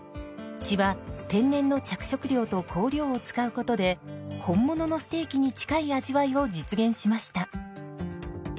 血は天然の着色料と香料を使うことで本物のステーキに近い味わいを実現しました。